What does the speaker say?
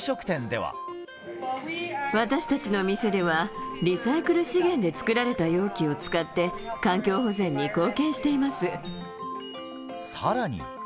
私たちの店では、リサイクル資源で作られた容器を使って、環境保全に貢献していまさらに。